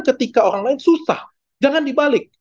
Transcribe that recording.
ketika orang lain susah jangan dibalik